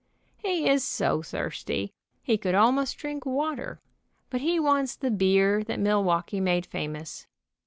He is so thirsty he could almost drink water, but he wants the beer that Milwaukee made famous.